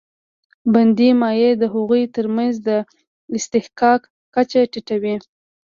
بندي مایع د هغوی تر منځ د اصطحکاک کچه ټیټوي.